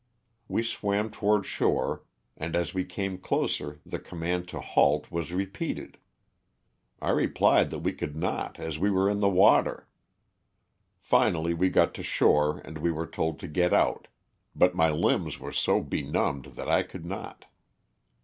We swam toward shore and as we came closer the command to "Halt,'' was repeated. I replied that we could not as we were in the water. Finally we got to shore and we were told to get out, but my limbs were so benumbed that I could not.